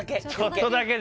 ちょっとだけ。